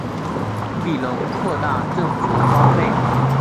庇隆扩大政府花费。